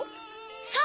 そう！